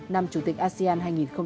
năm chủ tịch asean hai nghìn hai mươi